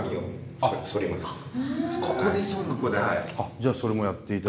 じゃあそれもやって頂いて。